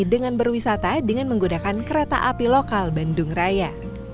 dengan berwisata dengan menggunakan kereta api lokal bandung raya